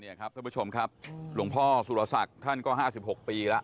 เนี่ยครับท่านผู้ชมครับหลวงพ่อสุรษัตริย์ท่านก็ห้าสิบหกปีละ